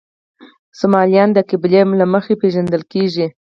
سومالیان د قبیلې له مخې پېژندل کېږي.